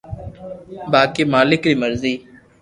باقي مالڪ ري مرزي